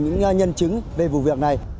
nhân chứng về vụ việc này